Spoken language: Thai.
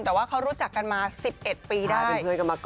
แต่ว่าเขารู้จักกันมา๑๑ปีได้